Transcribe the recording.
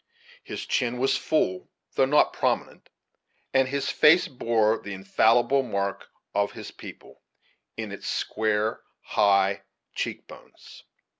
His chin was full, though not prominent; and his face bore the infallible mark of his people, in its square, high cheek bones.